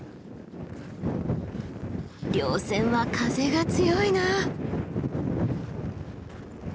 稜線は風が強いなあ。